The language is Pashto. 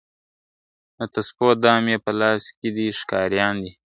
د تسپو دام یې په لاس کي دی ښکاریان دي ,